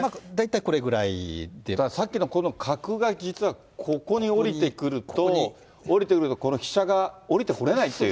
さっきのこの角が実は、ここにおりてくると、おりてくるとこの飛車がおりてこれないという。